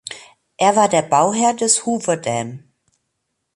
Er war der Bauherr des Hoover Dam.